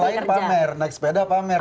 pas orang yang lain pamer naik sepeda pamer